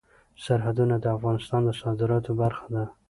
سرحدونه د افغانستان د صادراتو برخه ده.